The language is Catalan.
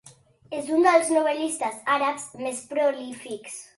És un dels novel·listes àrabs més prolífics.